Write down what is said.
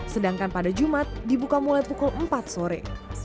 sedangkan pada jumat dibuka mulai pukul empat pagi